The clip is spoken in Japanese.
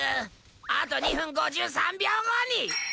あと２分５３秒後に！